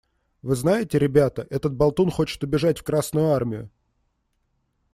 Вы знаете, ребята, этот болтун хочет убежать в Красную Армию!